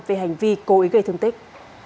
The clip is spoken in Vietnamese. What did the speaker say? về hành vi cố ý gây thương tích